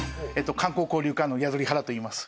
観光交流課の宿利原といいます。